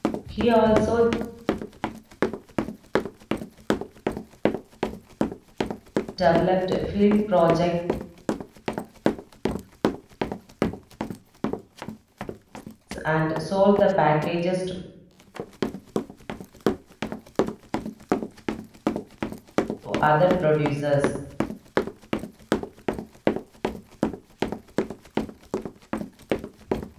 He also developed film projects and sold the packages to other producers.